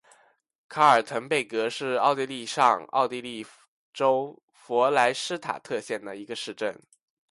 卡尔滕贝格是奥地利上奥地利州弗赖施塔特县的一个市镇。